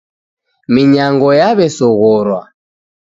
Minyango yaw'esoghorwa.